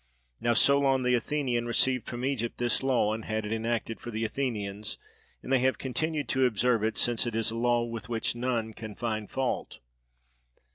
Now Solon the Athenian received from Egypt this law and had it enacted for the Athenians, and they have continued to observe it, since it is a law with which none can find fault.